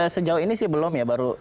sejauh ini sih belum ya baru